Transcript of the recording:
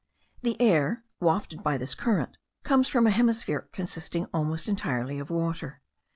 The air, wafted by this current, comes from a hemisphere consisting almost entirely of water.